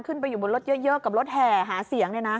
ขึ้นไปอยู่บนรถเยอะกับรถแห่หาเสียง